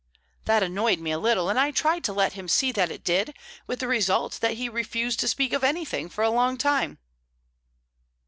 That annoyed me a little, and I tried to let him see that it did, with the result that he refused to speak of anything for a long time."